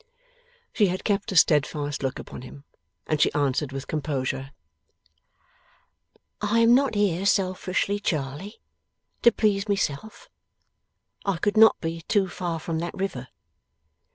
She had kept a steadfast look upon him, and she answered with composure: 'I am not here selfishly, Charley. To please myself I could not be too far from that river.